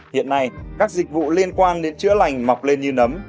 hiện nay các dịch vụ liên quan đến chữa lành mọc lên như nấm